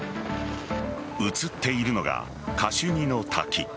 映っているのがカシュニの滝。